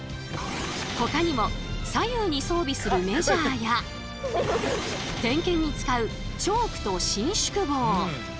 ほかにも左右に装備するメジャーや点検に使うチョークと伸縮棒